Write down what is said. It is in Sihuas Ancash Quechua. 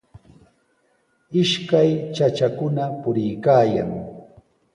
Ishkay chachakuna puriykaayan.